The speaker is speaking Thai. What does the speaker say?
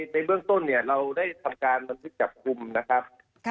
ในเบื้องต้นเนี่ยเราได้ทำการบันทึกจับกลุ่มนะครับ